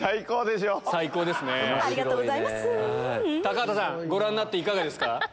高畑さんご覧になっていかがですか？